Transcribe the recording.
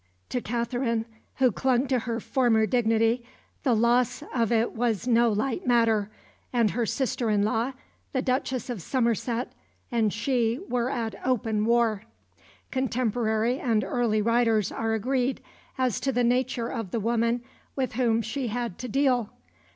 To Katherine, who clung to her former dignity, the loss of it was no light matter, and her sister in law, the Duchess of Somerset, and she were at open war. Contemporary and early writers are agreed as to the nature of the woman with whom she had to deal.